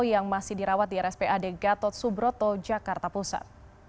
yang masih dirawat di rspad gatot subroto jakarta pusat